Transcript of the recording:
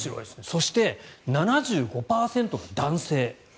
そして７５％が男性。